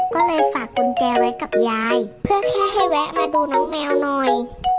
ก็เลยฝากกุญแจไว้กับยายเพื่อแค่ให้แวะมาดูน้องแมวหน่อย